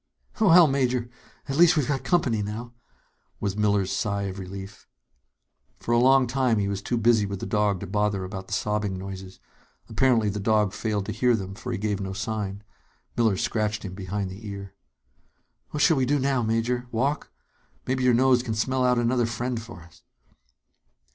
"Well, Major, at least we've got company now," was Miller's sigh of relief. For a long time he was too busy with the dog to bother about the sobbing noises. Apparently the dog failed to hear them, for he gave no sign. Miller scratched him behind the ear. "What shall we do now, Major? Walk? Maybe your nose can smell out another friend for us."